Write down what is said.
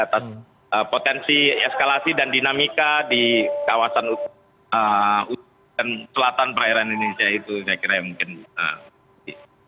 atas potensi eskalasi dan dinamika di kawasan selatan perairan indonesia itu saya kira mungkin